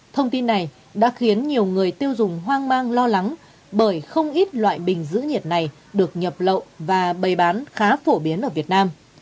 thông tin này đã khiến nhiều người tiêu dùng hoang mang lo lắng bởi không ít loại bình giữ nhiệt này được nhập lậu và bày bán khá phổ biến ở việt nam